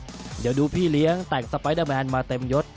เดี๋ยวดูพี่เลี้ยงแต่งสไปเดอร์แมนมาเต็มยศ